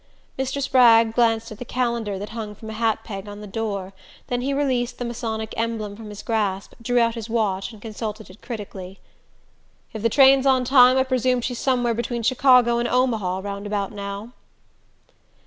Mr. Spragg glanced at the calendar that hung from a hat peg on the door. Then he released the Masonic emblem from his grasp, drew out his watch and consulted it critically. "If the train's on time I presume she's somewhere between Chicago and Omaha round about now."